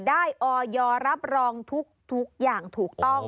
ออยรับรองทุกอย่างถูกต้อง